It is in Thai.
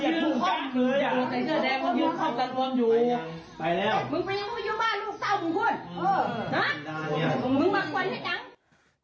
ถ้าบอกแล้วว่ามีมันมีมันยังอยู่นี่มาไปนี่มาเอาไปเลย